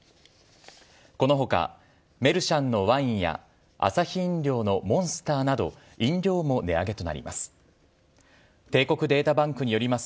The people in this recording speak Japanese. このほか、メルシャンのワインやアサヒ飲料のモンスターなど、飲料も値上げとなります。